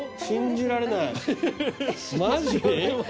信じられないマジ？